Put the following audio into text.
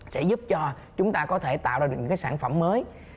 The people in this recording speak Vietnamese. sẽ giúp cho chúng ta có thể tạo ra được những cái sản phẩm mới